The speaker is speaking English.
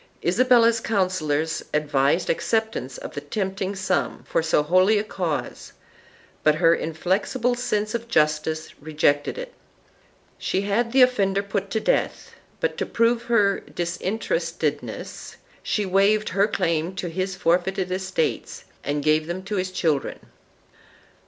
Isabella's counsellors advised acceptance of the tempting sum for so holy a cause, but her inflexible sense of justice rejected it; she had the offender put to death, but to "prove her disinter estedness she waived her claim to his forfeited estates and gave them to his children.